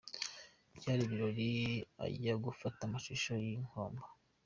Byari ibirori ajya gufata amashusho ku Nkombo.